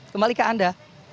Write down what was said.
kembali ke anda